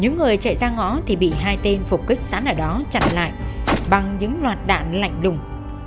những người chạy ra ngõ thì bị hai tên phục kích sẵn ở đó chặn lại bằng những loạt đạn lạnh lùng